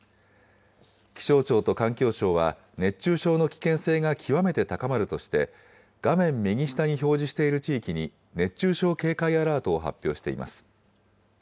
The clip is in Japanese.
気象庁と環境省は、熱中症の危険性が極めて高まるとして、画面右下に表示している地域に、熱中症警戒アラートを発表しています。